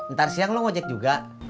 ntar siang lo ngejek juga